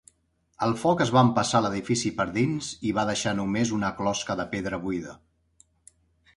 El foc es va empassar l'edifici per dins i va deixar només una closca de pedra buida.